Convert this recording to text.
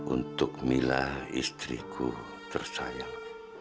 untuk mila istriku tersayang